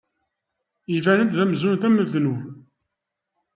Iban-d amzun d amednub.